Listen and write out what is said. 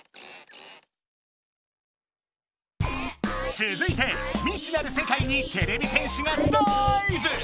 ・つづいて未知なる世界にてれび戦士がダイブ！